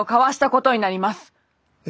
え？